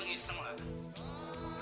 gue gak takut sama orang lain